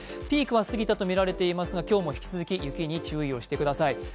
ピークは過ぎたとみられてしますが、今日も引き続き雪に注意をしてください。